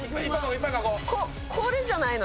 これじゃないの？